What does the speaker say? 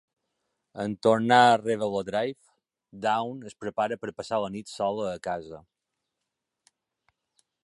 En tornar a Revello Drive, Dawn es prepara per passar la nit sola a casa.